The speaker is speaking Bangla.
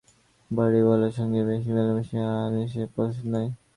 বাড়িঅলাদের সঙ্গে বেশি মেলামেশা আনিসের পছন্দ নয়।